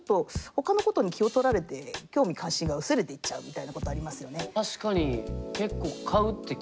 ほかのことに気を取られて興味関心が薄れていっちゃうみたいなことありますよね？